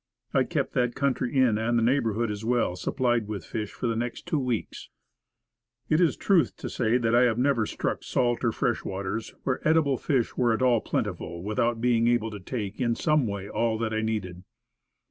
I kept that country inn, and the neighborhood as well, sup plied with fish for the next two weeks. It is truth to say that I have never struck salt or fresh waters, where edible fish were at all plenty, without being able to take, in some way, all that I needed.